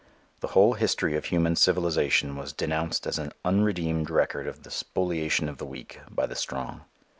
The whole history of human civilization was denounced as an unredeemed record of the spoliation of the weak by the strong.